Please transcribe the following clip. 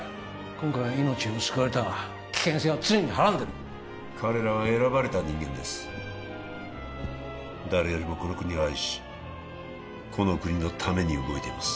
今回は命を救われたが危険性は常にはらんでる彼らは選ばれた人間です誰よりもこの国を愛しこの国のために動いています